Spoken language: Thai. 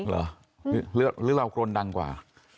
หรือเรากรนดังกว่า